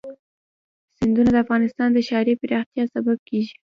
سیندونه د افغانستان د ښاري پراختیا سبب کېږي.